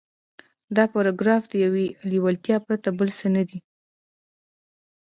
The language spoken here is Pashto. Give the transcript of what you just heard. دا پاراګراف له يوې لېوالتیا پرته بل څه نه دی.